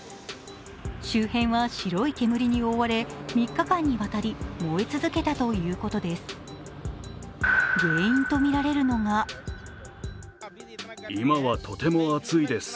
周辺は白い煙に覆われ３日間にわたり燃え続けたということです。